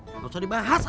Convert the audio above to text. gak usah dibahas ah